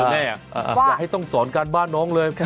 อย่าให้ต้องสอนการบ้านน้องเลย